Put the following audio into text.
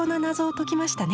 解きましたね。